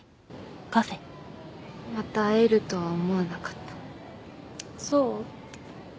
また会えるとは思わなかったそう？